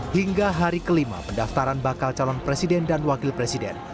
hingga hari kelima pendaftaran bakal calon presiden dan wakil presiden